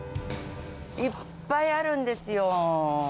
いっぱいあるんですよ。